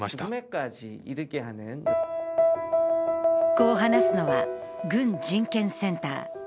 こう話すのは、軍人権センター。